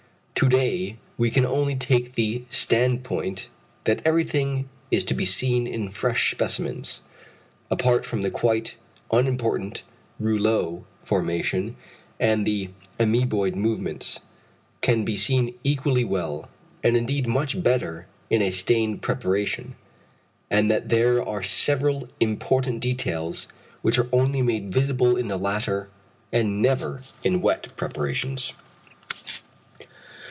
To day, we can only take the standpoint, that everything that is to be seen in fresh specimens apart from the quite unimportant rouleaux formation, and the amoeboid movements can be seen equally well, and indeed much better in a stained preparation; and that there are several important details which are only made visible in the latter, and never in wet preparations.